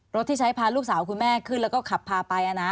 ที่ใช้พาลูกสาวคุณแม่ขึ้นแล้วก็ขับพาไป